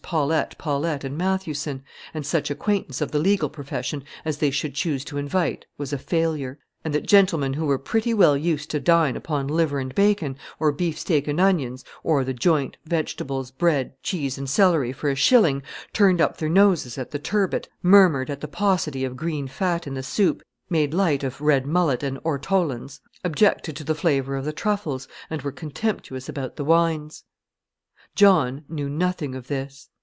Paulette, Paulette, and Mathewson, and such acquaintance of the legal profession as they should choose to invite, was a failure; and that gentlemen who were pretty well used to dine upon liver and bacon, or beefsteak and onions, or the joint, vegetables, bread, cheese, and celery for a shilling, turned up their noses at the turbot, murmured at the paucity of green fat in the soup, made light of red mullet and ortolans, objected to the flavour of the truffles, and were contemptuous about the wines. John knew nothing of this.